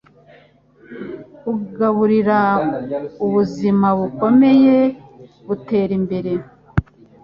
Kugaburira ubuzima bukomeye butera imbere